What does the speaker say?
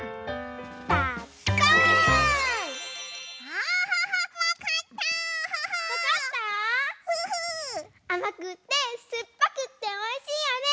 あまくってすっぱくっておいしいよね！